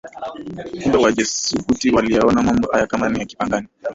Kumbe Wajesuiti waliyaona mambo haya kama ni ya Kipagani